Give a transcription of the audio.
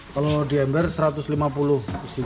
kalau diambar satu ratus lima puluh di sini